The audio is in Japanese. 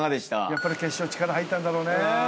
やっぱり決勝力入ったんだろうね。